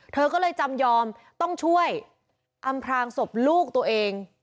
เธอก็เลยจำยอมต้องช่วยอำพลางศพลูกตัวเอง